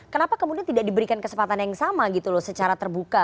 kenapa kemudian tidak diberikan kesempatan yang sama gitu loh secara terbuka